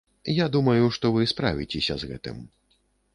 Я думаю, што вы справіцеся з гэтым.